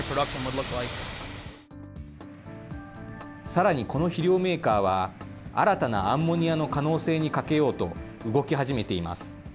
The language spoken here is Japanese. さらにこの肥料メーカーは、新たなアンモニアの可能性にかけようと、動き始めています。